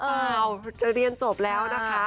เปล่าจะเรียนจบแล้วนะคะ